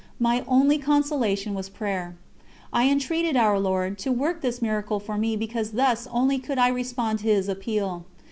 My only consolation was prayer. I entreated Our Lord to work this miracle for me because thus only could I respond to His appeal.